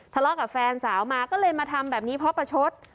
ทะเลาะกับแฟนสาวมาก็เลยมาทำแบบนี้เพราะประชด